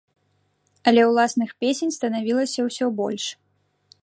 Але ўласных песень станавілася ўсё больш.